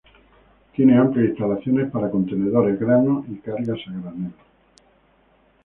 Tiene amplias instalaciones para contenedores, granos y cargas a granel.